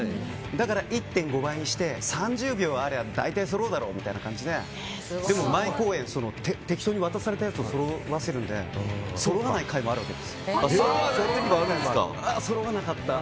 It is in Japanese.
だから１．５倍にして３０秒あれば大体そろうだろうみたいな感じででも毎公演、適当に渡されたやつをそろえるのでそろわない回もあるわけですよ。